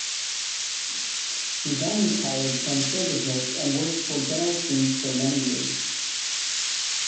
He then retired from show-business and worked for General Foods for many years.